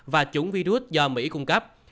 và chủng virus do mỹ cung cấp